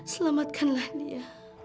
selamatkan lah liya